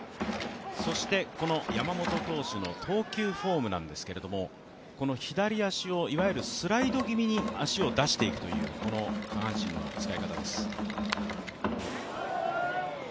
山本投手の投球フォームなんですけども、この左足をいわゆるスライド気味に足を出していくというこの下半身の使い方です。